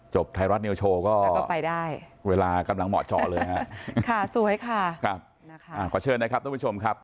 จบไทยรัฐเนียวโชว์ก็เวลากำลังเหมาะเจาะเลยฮะค่ะสวยค่ะขอเชิญนะครับทุกผู้ชม